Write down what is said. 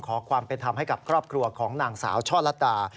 ขอความเป็นธรรมให้กับครอบครัวของนางสาวช่อลัดดา